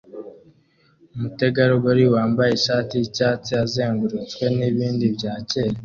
Umutegarugori wambaye ishati yicyatsi azengurutswe nibibindi bya kera